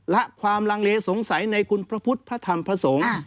ละความลังเลสงสัยในคุณพระพุทธธรรมภาษงศ์